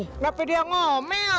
kenapa dia ngomel